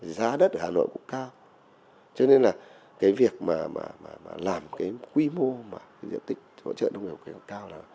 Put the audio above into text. giá đất ở hà nội cũng cao cho nên là việc làm quy mô diện tích sản xuất nông nghiệp cao